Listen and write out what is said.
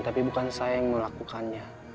tapi bukan saya yang melakukannya